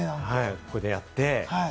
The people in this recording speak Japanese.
ここでやって。